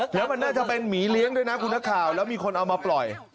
แล้วมันน่าจะเป็นหมีเลี้ยงด้วยนะคุณนักข่าวแล้วมีคนเอามาปล่อย